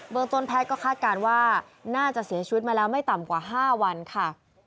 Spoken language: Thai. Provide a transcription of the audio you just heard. เมืองต้นแพทย์ก็คาดการณ์ว่าน่าจะเสียชีวิตมาแล้วไม่ต่ำกว่า๕วันค่ะ